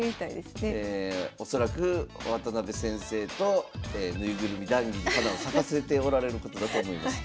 恐らく渡辺先生と縫いぐるみ談議に花を咲かせておられてることだと思います。